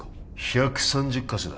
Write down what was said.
１３０か所だ